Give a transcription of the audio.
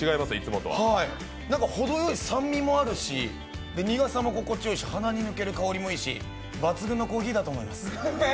ほどよい酸味もあるし苦さも心地よいし鼻に抜ける香りもいいし、抜群のコーヒーだと思います。